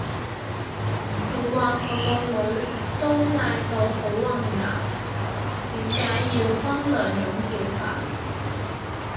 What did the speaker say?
佢話佢個女都嗌到好混淆，點解要分兩種叫法